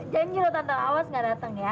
janji loh tante awas nggak datang ya